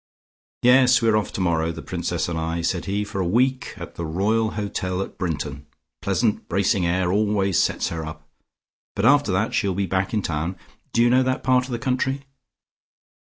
"Yes, we're off tomorrow, the Princess and I," said he, "for a week at the Royal Hotel at Brinton. Pleasant bracing air, always sets her up. But after that she'll be back in town. Do you know that part of the country?"